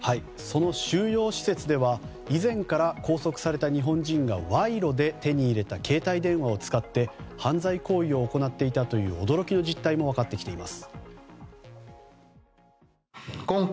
収容施設では、以前から拘束された日本人が賄賂で手に入れた携帯電話を使って犯罪行為を行っていたという驚きの実態も分かってきています。